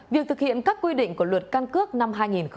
việc thực hiện các quy định của luật căn cước năm hai nghìn hai mươi ba